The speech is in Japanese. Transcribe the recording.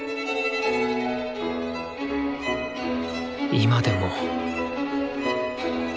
今でも。